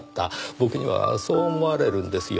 僕にはそう思われるんですよ。